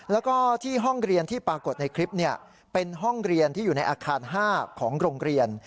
แล้วก็ที่ห้องเรียนที่ปรากฏในคลิปเป็นห้องเรียนที่อยู่ในอาคาร๕ของโรงเรียน